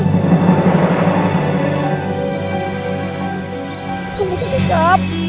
gua butuh kicap